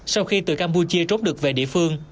sau khi từ campuchia trốn được về địa phương